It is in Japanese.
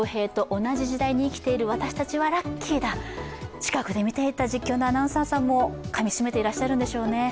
近くで見ていた実況のアナウンサーさんもかみしめていらっしゃるんでしょうね。